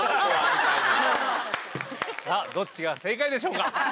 どっちが正解でしょうか？